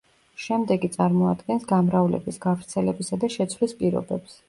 შემდეგი წარმოადგენს გამრავლების, გავრცელებისა და შეცვლის პირობებს.